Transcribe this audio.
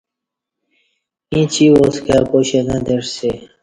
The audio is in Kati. ییں چی واس کائی پاشہ نہ تعسی